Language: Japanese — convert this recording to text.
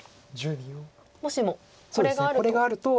もしもこれがあると。